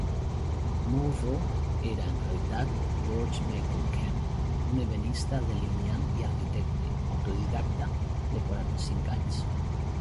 Morvo era, en realitat, George Meikle Kemp, un ebenista, delineant i arquitecte autodidacta de quaranta-cinc anys.